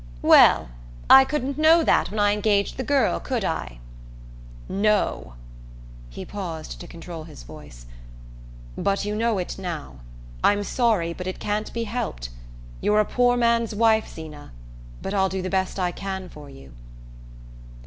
"Well, I couldn't know that when I engaged the girl, could I?" "No." He paused to control his voice. "But you know it now. I'm sorry, but it can't be helped. You're a poor man's wife, Zeena; but I'll do the best I can for you."